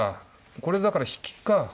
これだから引きか。